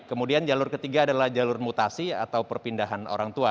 kemudian jalur ketiga adalah jalur mutasi atau perpindahan orang tua